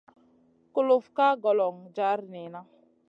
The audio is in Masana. Kulufna ka golon jar niyna.